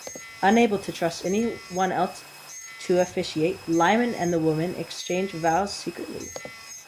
Unable to trust anyone else to officiate, Lyman and the woman exchanged vows secretly.